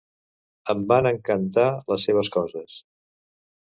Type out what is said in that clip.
Em van encantar les seves coses.